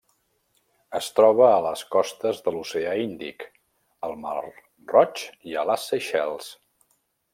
Es troba a les costes de l'Oceà Índic: al Mar Roig i a les Seychelles.